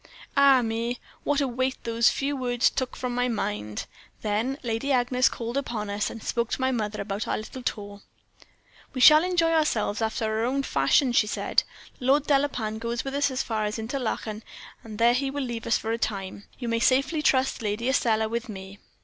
"Ah, me! what a weight those few words took from my mind. Then Lady Agnes called upon us, and spoke to my mother about our little tour. "'We shall enjoy ourselves after our own fashion,' she said. 'Lord Delapain goes with us as far as Interlachen; there he will leave us for a time. You may safely trust Lady Estelle with me.'